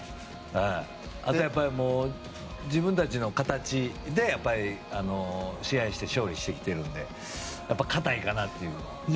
あと、自分たちの形で試合して勝利してきてるので固いかなというのは。